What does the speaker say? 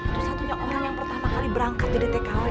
itu satunya orang yang pertama kali berangkat jadi tkw